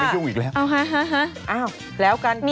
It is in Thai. มันก็จะไม่ยุ่งอีกแล้วอ้าวแล้วกัน